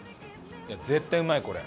絶対うまいこれ。